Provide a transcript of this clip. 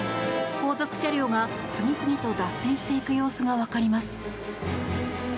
後続車両が次々と脱線していく様子がわかります。